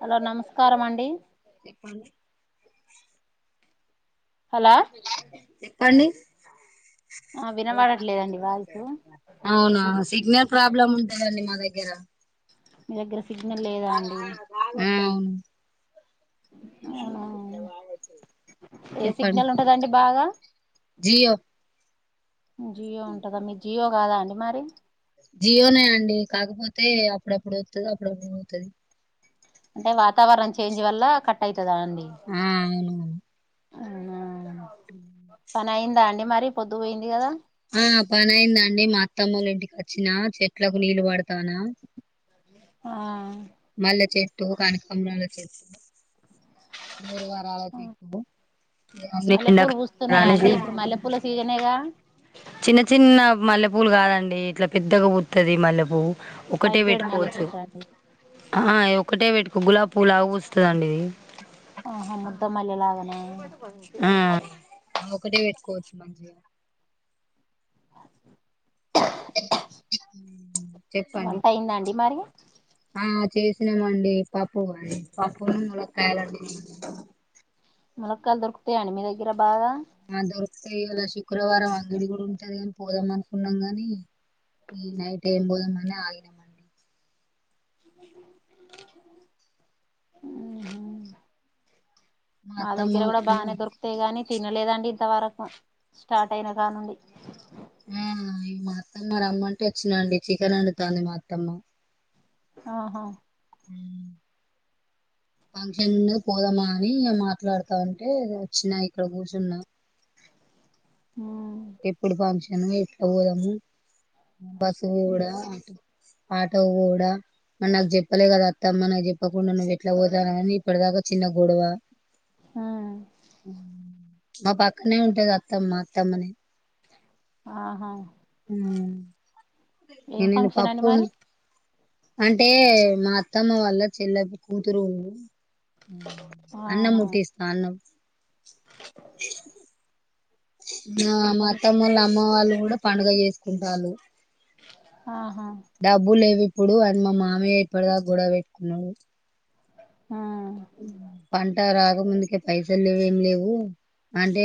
Hello నమస్కారం అండి చెప్పండి హలో పండి ఆ వినబడట్లేదండి వాయిసు అవునా సిగ్నల్ ప్రాబ్లమ్ ఉంటుదండి మా దగ్గర మీ దగ్గర సిగ్నల్ లేదా అండి అ అవునా ఏ చెప్పండి సిగ్నల్ ఉంటుదండి బాగా జియో జియో ఉంటందా మీ జియో కాదా అండి మరి జియోనే అండి కాకపోతే అప్పుడప్పుడు వాతాది అప్పుడుప్పు పోతది అంటే వాతావరణం చేంజ్ వల్ల కట్ట ఆ అవును అవునా పని అయిందా అండి మరి పొద్దు పోయింది కదా ఆ పనయిందండి మా అత్తమ్మ వాళ్ళ ఇంటికి వచ్చినా చెట్లకు నీళ్ళు పడతానా. ఆ టు కనకంబరాల చెట్టు, నూరు వారలా చెట్టు ఇవన్నీ మల్లెపూలు ఎండాకాలం కదా పూస్తున్నాయా అనేసి అండి, ఇప్పుడు మల్లెపూల సీజనేగా. చిన్న చిన్న మల్లె పూవ్లు కాదండి ఇట్లా పెద్దగా పూతది మల్లె పూవు. ఒకటే హైబ్రిడ్ మల్లె పెట్టుకోవచ్చు చెట్టు అండి ఆ ఒకటే పెట్టు గులా పువ్వు లాగా పూస్తదండి ఇది. ఆహా ముద్దమలే లాగనా ఆ ఒకటే పెట్టుకోవచ్చు మంచిగా. చెప్పండి వంట అయింద అండి మరి. ఆ చేసినామండి పప్పు అని పప్పు ఉన్ను ములక్కాయాలండినం. ములక్కాయల్ దొరుకుతాయ అండి మీ దగ్గర బాగా మా దొరుకుతయి ఇవాలా శుక్రవారం అంగడి కూడా ఉంటది కాని పోదాం అనుకున్నాం కాని ఈ నైట్ ఎంపోదాం అని ఆగినం. ఆహా మా దగ్గర కూడా బాగానే దొరుకుతయి గానీ తినలేదండి. ఇంత వరకు స్టార్ట్ అయిన కానుండి. ఆ మా అత్తమ్మ రమ్మంటే వచ్చినండి చికెన్ అండుతుంది మా అత్తమ్మ. ఆహా ఫంక్షన్ ఉన్నది పోదామా అని మాట్లాడుతా అంటే వచ్చిన ఇక్కడ కూర్చున్నా. ఆ ఎప్పుడు ఫంక్షన్ ఎట్లా పోదాము బస్సుకు పోవుడా ఆటో ఆటోకు పోవుడా మరి నాగ్ జేప్పలే గాదా అత్తమ్మ, నాగ్ జేప్పకుండా నువ్వు ఎట్లా పోతన్నావని ఇప్పటిదాకా చిన్న గొడవా. ఉమ్ హు మా పక్కనే ఉంటది అత్తమ్మ, అత్తమ్మనే ఆహా హుహ్ ఏం నీనిన్ ఫంక్షన్ అండి పప్పున్ మరి అంటే మా అత్తమ్మ వాళ్ళ చెల్లా కూతురు. హుహ్ అన్నం ఆహా మూటీస్తా అన్నం. నా మా అని అత్తమోలా, అమ్మ వాళ్ళు కూడా పండుగ చేసుకుంటాల్లు. ఆహా డబ్బు లేవి. ప్పుడు అని మా మామయ్య ఇప్పటిదాక గొడవ పెట్టుకున్నడు. ఉమ్ పైసల్ లేవ్ ఎమ్ లేవు. అంటే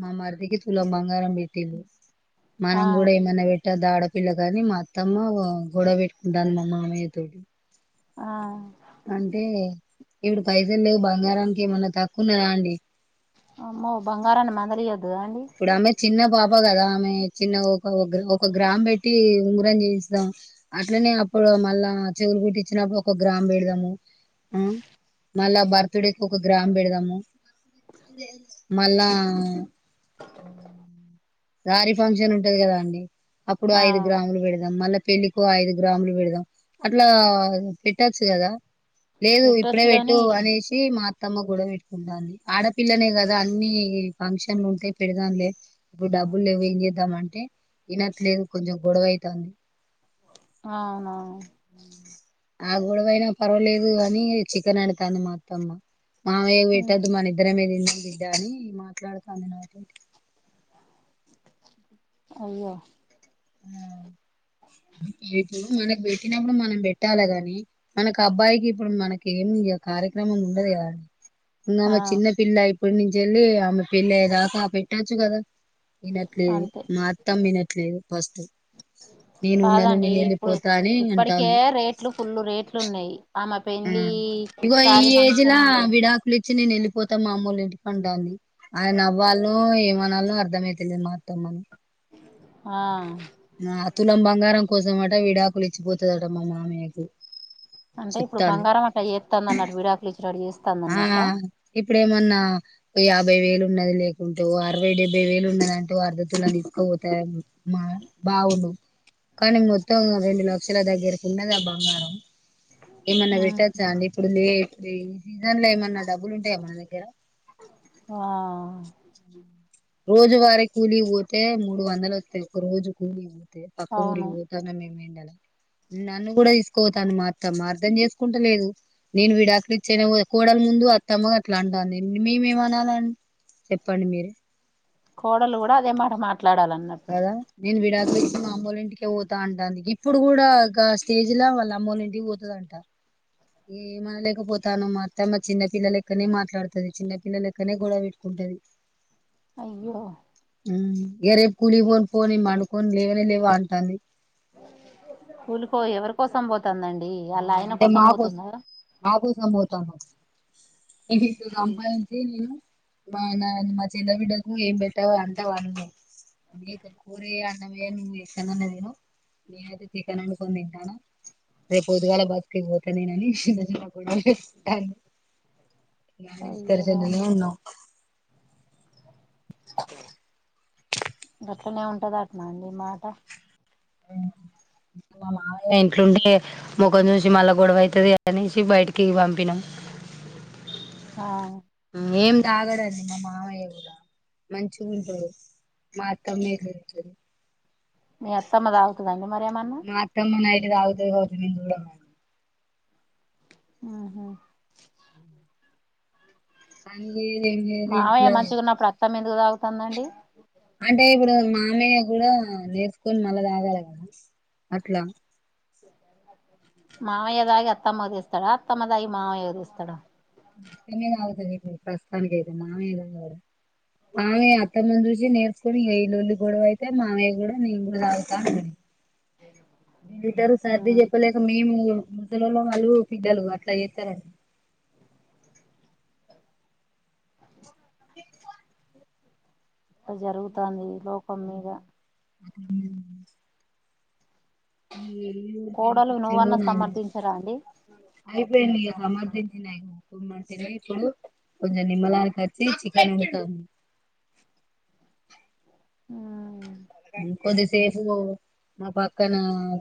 మామరదికి తులం బంగారం పెట్టిల్లు, మనం ఆ కూడా ఏమన్నా వెట్ టద్దా, ఆడపిల్ల గానీ మా అత్తమ్మ ఓ గొడవ పెట్టుకుంటాంది మా మామయ్య తోటి ఆఅ అంటే ఇప్పుడు పైసల లేవు బంగారానికి ఏమన్నా తక్కు ఉన్నదా అండి. అమ్మో బంగారాన్ని మందాలియోద్ గాండి. ఇప్పుడు ఆమె చిన్న పాప గాదా, ఆమె చిన్న ఒక ఒగ్ ఒక గ్రామ్ బెట్టి ఉంగరం చేయిసుందాం అట్లా నే అప్పుడు మళ్ళా చెవులు కుట్టి ఇచ్చినప్పుడు ఒక గ్రాము బెడదాము. ఆ మళ్ళా బర్త్డేకి ఒక గ్రామ్ బెడదాము, మళ్ళా హుహ్ సారీ ఫంక్షన్ ఉంటది గదండి. అప్పుడు ఆ ఐదు గ్రాములు పెడదాం మళ్ళేప్ పెళ్లికో ఐదు గ్రాములు వేడ్దాం, అట్లా పెట్టచ్చు కదా. లేదు, ఇప్పుడే పెట్టొచ్చు బెట్టు గాని అనేసి మాత్ త్తమ్మ గొడవ పెట్టుకుంటాంది. ఆడపిల్లనే కదా అన్ని ఫంక్షన్లు ఉంటాయ్ పెడదాంలే ఇప్పుడు డబ్బులు లేవు ఏం చేద్దామంటే, వినట్లేదు కొంచెం గొడవైతంది. అవునా ఆ గొడవైనా పర్వేలేదు గానీ చికెన్ అండుతాంది మా అత్తమ్మ. మావయ్యకు ఉమ్ వెట్టొద్దు, మనం ఇద్దరమే తిందాం బిడ్డ అని మాట్లాడుతాంది. నాత్ అయ్యా ఆ ఇప్పుడు మనకు బెట్టినప్పుడు, మనం పెట్టాలి గాని, మనకి ఆ అబ్బాయికి ఇప్పుడు మనకి ఏమి కార్యక్రమం ఉండదు గదాండ్, ఇంగా ఆ ఆమె చిన్న పిల్లాయ్. ఇప్పుడి నుంచి ఏళ్ళి, ఆమె పెళ్ళాయేదాకా పెట్టొచ్చు గాదా. ఇనట్లేద్, అంతే మా అత్తమా ఇనట్లేదు పస్టు. నేను ఉండను, కాదండి నేను ఇప్పుడు ఏళ్ళిపోతా అని ఇప్పటికే అంటాది. రేట్లు ఫుల్లు రేట్లు ఉన్నాయి ఆమె ఆ పెళ్లి ఇగో ఈ సారీ ఏజ్లా ఫంక్షన్ అంటే విడకులిప్ చ్చి నేను ఏళ్ళిపోతా మా అమ్మాలో ఇంటికి అంటాది, అది నవ్వులో ఏమనాలనో అర్థమవుతలేదు మా అత్తమ్మను. ఆ నా తులం బంగారం కోసం అట విడాకులు ఇచ్చి పోతాదంట మా మావయ్యకి అంటే ఇప్పుడు బంగారం అట్లా చేతాది అన్నటు విడాకులు ఇచ్చేటట్ ఏస్ ఆ ఇప్పుడేమన్నా ఓ యా యాభై వేలు ఉన్నది లేకుంటే ఓ అరవై, డెబ్బై వేలు ఉన్నద అంటే అర్ధతులం తీసుకుపోతారన్ మా బావుడు కానీ మొత్తం రెండు లక్షల దగ్గరకు ఉన్నది ఆ బంగారం. ఏమన్నా పెట్టచ్చా అండి. ఇప్పుడు లేట్ ఈ సీజన్ లో ఏమన్నా డబ్బులు ఉంటాయా మన దగ్గర వా రోజు వారి కూలీగ్ పోతే మూడు వందలు వత్తాయ్, ఒక రోజు కూలీ వో తే పక్క అవును ఊరికి పోతా నానేమైన్ నన్ను కూడా తీసుకోపోతాంద్, మా అత్తమ్మా అర్ధం చేసుకుంటలేదు నేను విడాకులు ఇత్ చేనవోద్ కోడల ముందు అత్తమ్మ గాట్లా అంటంది, మీమేమానాలన్ చెప్పండి మీరే కోడలు గూడా అదే మాట మాట్ కాదా నేను విడాక్ అమ్మోల్లింటికే పోతా అంటాది గిప్పుడు కూడా గా స్టేజ్ లో వాళ్ళమ్మోలింటికి పోతుందంట ఏమనలేకపోతాన మాత్తమ్మా చిన్న పిల్లలెక్కనే మాట్లాడుతది. చిన్న పిల్లలెక్కనే గొడవ పెట్టుకుంటది. అయ్యో మ్మ్ ఏ రేపు కూలీ పోను పో నేన్ పండుకొని లేవనే లేవ అంటాంది. కూలికి పో ఎవరి కోసం పోత్ ఆ అంటే మా కోస్ మా కోసం పోతాన్నావ్ ఇది అంత సంపాయించి నేను మా నా మా చిన్న బిడ్డకు ఏం పెట్టవ్ అంత వాన్ మీదే మేక కూరి అన్నం చేయను నువ్వు చేస్తనన్నావేమో నేనయితే చికెన్ వండుకొని తింటాను. రేపు పొద్దుగాల బస్సుకి పోతా నేను అని నిన్న గొడవ పెట్టుకుంటాంది. ఇంగ ఆ అయ్యో రామ డిస్కషన్లోనే ఉన్నాం. గట్లనే ఉంటదట్నా అండి మాట మా మామయ్య ఇంట్లుంటే ముఖం చూసి మళ్ళా గొడవయితది అనేసి బయటికిగ పంపినాం. ఆ ఏం తాగడండి మా మావయ్య కూడా మంచిగుంటడు మా అత్తమ్మే ఇట్ల చేశేది. మీ అత్తమ్మ తాగుతదా అండి మరేమన్నా మా అత్తమ్మ నైట్ తాగుతది గావచ్చు నేను జూడను. ఆహా కానీ మావయ్య మంచిగున్నప్పుడు అత్తమ్మ ఎందుకు తాగుతాందండి. అంటే ఇప్పుడు మామయ్య కూడా నేర్చుకొని మళ్ళా తాగాలి కదా అట్ల మావయ్య తాగి అత్తమ్మకి తెస్తడ అత్తమ్మ తాగి మావయ్యకి తెస్తడ మా అత్తమ్మే తాగుతాది ఇప్పుడు ప్రస్తుతానికైతే మావయ్య తాగడు. మామయ్య అత్తమ్మను చూసి నేర్చుొని ఇగ ఈ లోల్లి గొడవైతే మామయ్య కూడా నేను కూడా తాగుతా అంటుండు ఇద్దరు సర్ది ఉమ్, చెప్పలేక మేము ముసలోళ్ళ వాళ్ళు బిడ్డలు అట్ల చేత్తారని ఇ ఇట్ట జరుగుతాంది లోకం మీద [unintelligible] కోడలు ఎందుకిచ్చిండ్రో నువ్వన్నా ఏమో సమర్థించరా అండి అయిపోయిందిగ సమర్థించినయ్న పొమ్మంటినా ఇప్పుడు ఆ కొంచం నిమ్మలానికొచ్చి చికెన్ మటన్ ఆ ఇంకొద్ది సేపు నా పక్కన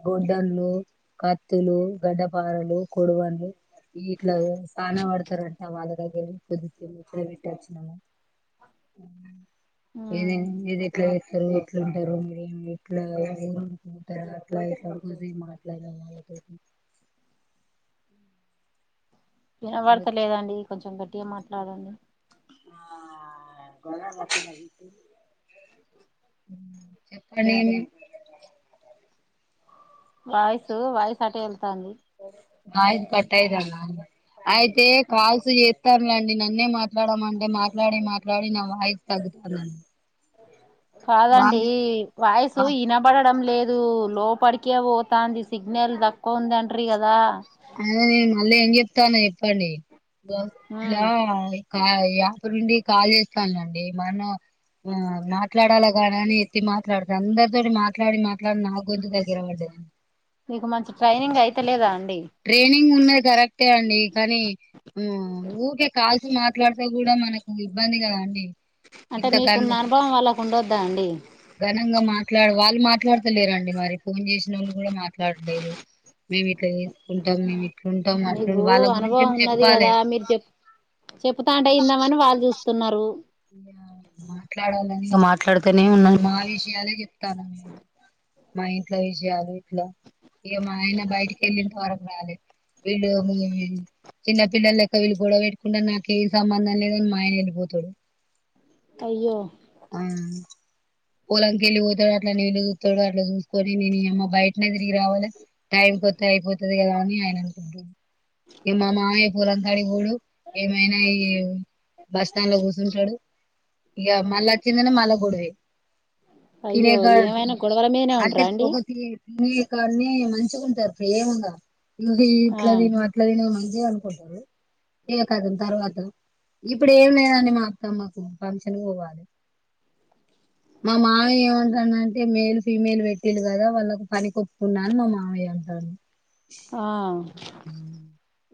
గొడ్డన్లు కత్తులు గడ్డపారలు కొడవన్లు ఇట్ల సానా పడతారంట వాళ్ళ దగ్గర పొద్దు్మ్ కెళ్ళి కుదవ బెట్టి వచ్చినము. ఇది మ్మ్ ఇదేట్ల చెత్తరో ఎట్లుంటరు మీరు ఇట్లా ఏంటారు అట్లా ఎలాజ మాట్లాడనొళ్ళ తోటి వినబడతలేదండి కొంచెం గట్టిగా మాట్లాడండి. ఆ గరచ్చ చెప్పండి. ఏమి వాయిసు వాయిస్ ఆటేల్ వాయిస్ కట్ అయితాందా అండి. అయితే కాల్స్ చేస్తన్లేండి. న నన్నే మాట్లాడమంటే మాట్లాడి మాట్లాడి నా వాయిస్ తగ్గుతాందండి. కాదండి. వాళ్ళు వాయిసు వినబడడం లేద్. అది లోపడికే పోతది సిగ్నల్ తక్కువ ఉందింట్ర కదా అ నేను మళ్ళ ఏం చెతన చెప్పండి ఇన్ల మ్మ్ కా యాప నుండి కాల్ చేస్తాలండి మనం ఆ మాట్లాడాలాగాని అని ఎత్తి మాట్లాడత అందరితోటి మాట్లాడి మాట్లాడి నా గొంతు దగ్గర పడ్డది మీకు మంచి ట్రైనింగ్ అయితలేదా అండి ట్రైనింగ్ ఉన్నది కరెక్టే అండి కానీ ఊకే కాల్సు మాట్లాడుతే కూడా మనకు ఇబ్బంది కదా అండి అంటే ఇంత ఘన మీకున్న అనుభవం వాళ్ళకు ఉండొద్దా అండి ఘనంగా మాట్లాడ వాళ్ళు మాట్లాడతలేరండి మరి ఫోన్ చేసిన వాళ్ళు కూడా మాట్లాడలేదు మేము ఇట్లా చేసుకుంటాం మేము ఇట్లు ఉంటాం అట్లు మీకు వాళ్ళ గురించి ఏ చెప్పాలే చెబతాంటయిందామని వాళ్ళు చూస్తున్నారు ఇ మాట్లాడాలని ఇక మాట్లాడుతూనే ఉన్నాను మా విషయాలే చెప్తాను నేను మా ఇంట్ల విషయాలు ఇట్ల ఇక మా ఆయన బయటికి వెళ్ళంత వరకు రాలేదు. విడు మ చిన్న పిల్లలు లెక్క వీళు కూడా పెటుకుండా నాకు ఏం సంబంధం లేదుని మా ఆయన వెళ్ళిపోతాడు. అయ్యో ఆ పొలంకెళ్ళి పోతాడు అట్ నేళ్ళ చూస్తాడు అట్లా చూసుకొనిను ఈ యమ్మ బయటనే తిరిగి రావాలి టైం కి అయిపోతది కదా అని ఆయన అనుకుంటడు ఇక మా మామయ్య పూలంకాడి పోవుడు ఏమైనా ఈ బస్ స్టాండ్ లో కూర్చు టడు ఇగ మలాచ్చిండు అంటే మళ గొడువే అయ్యో తినక కనే ఏమైనా గొడవల మీదనే అంటే ఉంటారా అండి ఒకక తినే కానే మంచుకుంటారు ప్రేమగా నువ్వు ఇట్లా ఆ తను అట్లా త ను మంచిగా అను టారు ఇక కాదం తర్వాత ఇప్పుడు ఏమి లేదని మా సమ్మకు ఫంక్షన్ పోవాలే మా మావయ్య ఏమంటాన అంటే మేల్ ఫీమేల్ పెట్టీలు కదా వాళ్ళకి పని కొప్పుకున్న అని మా మామయ్య అంట అ ఆ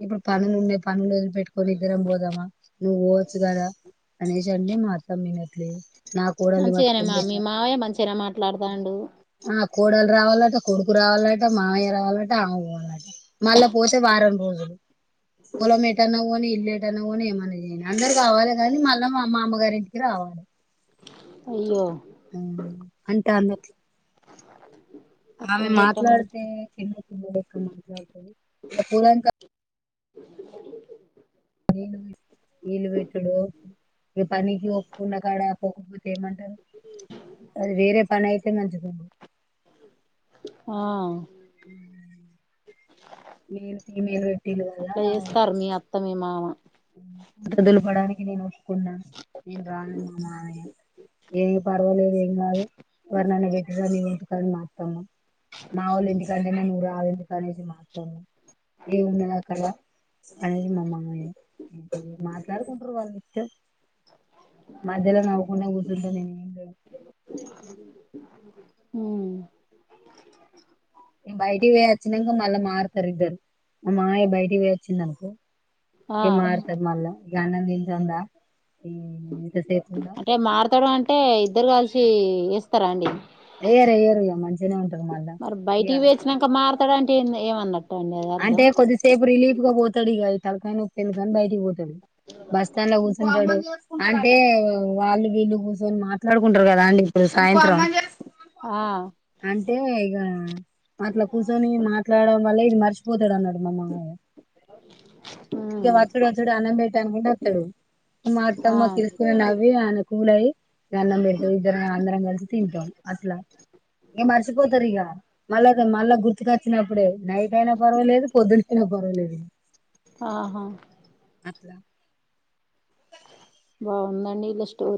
ఇప్పుడు పన్నలుండే పనులు వదిలు పెట్టు ఓకొరి ఇద్దరం పోదమ్మా నువ్వు ఓచ్చుగాదా అనేసి అంటే మాఅతా మీనట్లే నా కోడలు ను పట్టుకొని పోతారా మాట్లాడుతాండు కోడలు రావాలట కొడుకు రావాలట మామయ్య రావాలట అమ్మ పోవాలట మళ్ళా పోతే వారం రోజులు పూలం పెట్టన్నా అని ఇల్లే ఎటైనా పోనీ ఏమన్న చేయనీ అందరు కావాలి కానీ మళ్ళా మామ్మ అమ్మగారింటికి రావాలి అయ్యో అంటే ఆళ్లు ఆమె అట్లుంటే ఎట్లా మాట్లాడితే నడుస్తు చిన్న క్క మాట్లాడతే ఇ పల న నీళ్ళ విట్డు ఇ పనీకిన్న కాడా పోకపోతే ఏమంటారు అది వేరే పని అయితే మంచిగా ఉండు ఆ హ మేల్ ఫీమేల్ పెట్టిలు కదా అట్లా చేస్తారు మీ అత్త మీ మామ పంట దులు పడానికి నేను ఒప్పుకున్నాను నేను రాను మా మామయ్య ఏమి పర్వాలేదు ఏం కాదు ఎవరు నన్న పెట్ వంటకని మతామ మా వాళ్ళు ఎందుకంటేనే నువ్వు రాళ్ ఎందుకు అనేసి మాతామ ఏ ఉన్నాది అక్కడ అనేది మామమ మాట్లాడుకుంటారు వాళ్ళు ఎ మధ్యలా నవుకునే గుసుంట నే ఏం జాయ్య హ బయటికి వేయొచ్చాక మళ్ళా మారుతారు ఇద్దరు మా మాయ బయటకి వేచ్చిందనుకో ఆ ఏ మార్తది మళ్ల అన్నం తింటండా అంటే మారతాడు అంటే ఇద్దరు కలిసి ఇస్తారా అండి ఏయరు ఏయరు మంచినే ఉంటంది మళ్ళ ఇ ఇలాంటి ఏమన్నట్టు అండి అది అంటే అర్థం కొద్దిసేపు రిలీఫ్ గా పోతాడు ఇక అయితే కలకై నొప్పిందుకు అని బయటికి పోతాది బస్ స్టాండ్ లో కూర్చుంటాడు అంటే వాళ్ళు వీళ్ళు కూర్చొని మాట్లాడుకుంటారు కదా అండి ఇప్పుడు సాయంత్రం ఆ అంటే ఇక అట్లా కూర్చొని మాట్లాడడం వల్ల ఇది మర్చిపో పోతాడు అన్నాటు మామ్మా ఇక ఉమ్ వాచ్చడుచ్చడు అనంబేటానికిస్తాడు మా ఆ అత్తమ్మా కసుసు నవ్వి అన కూలయి ద అన్నం పెడుత ఇద్దర అందరం కలిసి తింటాం అట్లా ఇంక మర్చిపోతారు ఇక మళ్ళ మళ్ళా గుర్తుక వచ్చినప్పుడే నైట్ అయినా పర్వాలేదు పొద్దునైయినా పర్వాలేదు ఆహా అ బాగుందండి ఇల స్టోరి